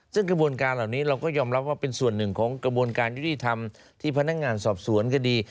ซึ่งกระบวนการเหล่านี้เราก็ยอมรับว่าเป็นส่วนหนึ่งของกระบวนการยุติธรรมที่พนักงานสอบสวนคดี